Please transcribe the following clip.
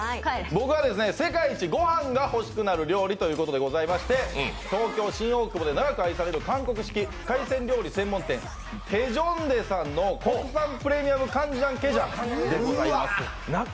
僕は世界一ご飯が欲しくなる料理ということでございまして東京・新大久保で長く愛される韓国式海鮮料理専門店、デジョンデさんの国産プレミアムカンジャンケジャンでございます。